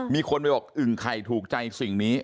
มีคนไปบอกอึ่งไข่ถูกใจสิ่งนี้